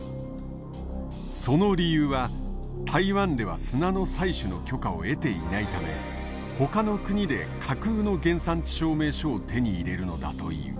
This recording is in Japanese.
その理由は台湾では砂の採取の許可を得ていないためほかの国で架空の原産地証明書を手に入れるのだという。